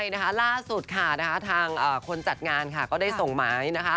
ใช่ล่าสุดทางคนจัดงานก็ได้ส่งหมาย